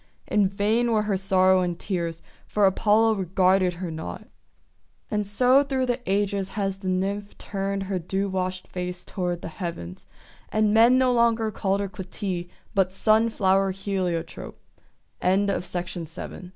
In vain were her sorrow and tears, for Apollo regarded her not. And so through the ages has the Nymph turned her dew washed face toward the heavens; and men no longer call her Clytie, but Sun flower He